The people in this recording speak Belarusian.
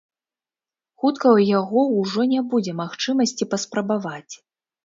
Хутка ў яго ўжо не будзе магчымасці паспрабаваць.